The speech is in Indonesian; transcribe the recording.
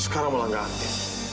sekarang melanggar ante